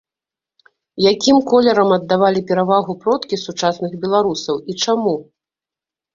Якім колерам аддавалі перавагу продкі сучасных беларусаў і чаму?